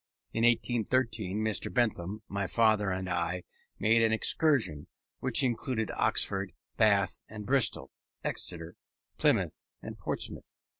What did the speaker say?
In 1813 Mr. Bentham, my father, and I made an excursion, which included Oxford, Bath and Bristol, Exeter, Plymouth, and Portsmouth.